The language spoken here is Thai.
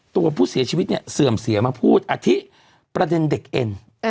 ตัวผู้เสียชีวิตเนี่ยเสื่อมเสียมาพูดอธิประเด็นเด็กเอ็น